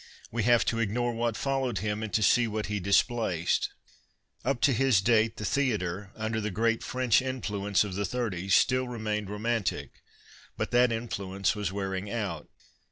We have to ignore what followed him and to see what he dis placed. Up to his date the theatre, under the great French influence of the thirties, still remained romantic. But that influence was wearing out.